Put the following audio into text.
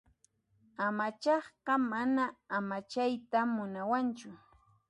Amachaqqa mana amachayta munawanchu.